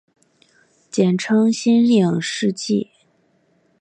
简称新影世纪。